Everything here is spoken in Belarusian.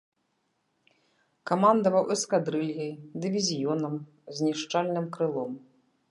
Камандаваў эскадрылляй, дывізіёнам, знішчальным крылом.